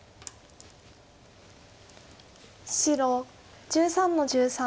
白１３の十三。